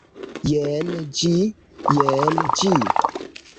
Jen ĝi! jen ĝi!